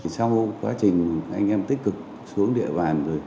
sau quá trình anh em tích cực xuống địa bàn